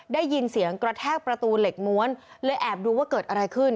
ได้ยินเสียงกระแทกประตูเหล็กม้วนเลยแอบดูว่าเกิดอะไรขึ้น